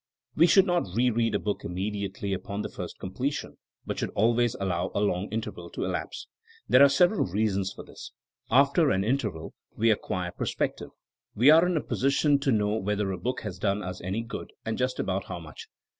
We should not re read a book immediately upon the first completion but should always allow a long interval to elapse. There are sev eral reasons for this. After an interval we ac quire perspective ; we are in a position to know 182 THINKINO AS A SCIENCE whether a book has done us any good and just about how much.